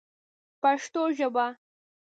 پښتو ژبه